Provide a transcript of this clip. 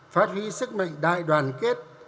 phát huy sức mạnh đại đoàn kết